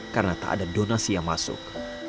karena tak ada donasi yang masuk